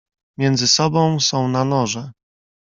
"Między sobą są na noże."